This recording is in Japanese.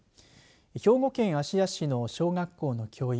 兵庫県芦屋市の小学校の教員